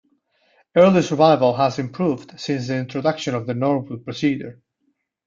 Early survival has improved since the introduction of the Norwood procedure.